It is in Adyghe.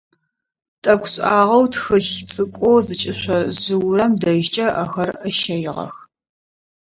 Тӏэкӏу шӏагъэу тхылъ цӏыкӏоу зыкӏышъо жъыурэм дэжькӏэ ыӏэхэр ыщэигъэх.